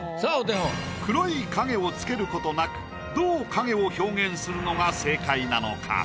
黒い影をつけることなくどう影を表現するのが正解なのか？